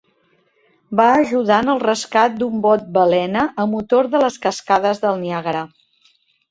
Va ajudar en el rescat d'un bot balena a motor de les cascades del Niàgara.